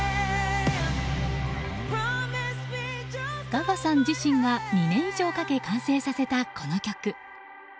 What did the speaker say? ガガさん自身が２年以上かけ完成させた、この曲。